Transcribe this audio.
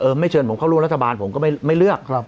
ไม่เชิญผมเข้าร่วมรัฐบาลผมก็ไม่เลือก